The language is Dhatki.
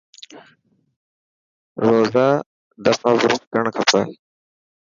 روز آ دفا برش ڪرڻ کپي.